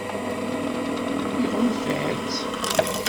Iɣunfa-tt?